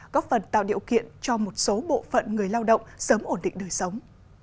góp phần tạo điều kiện cho một số bộ phận người lao động sớm ổn định đời sống